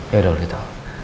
ya udah udah gitu